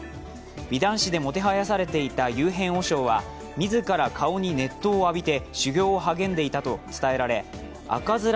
美男子でもてはやされていた祐偏和尚は自ら顔に熱湯を浴びて修行に励んでいたと伝えられ赤面